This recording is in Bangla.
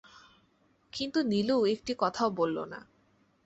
কিন্তু নীলু একটি কথাও বলল না।